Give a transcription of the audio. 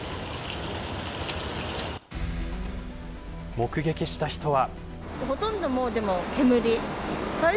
目撃した人は。